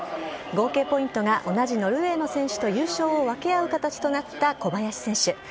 合計ポイントが同じノルウェーの選手と優勝を分け合う形となった小林選手。